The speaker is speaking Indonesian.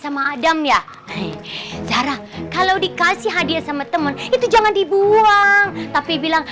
sama adam ya sarah kalau dikasih hadiah sama temen itu jangan dibuang tapi bilang